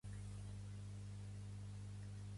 La xiula de Gurney està en perill d'extinció